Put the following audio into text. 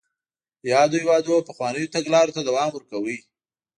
یادو هېوادونو پخوانیو تګلارو ته دوام ورکاوه.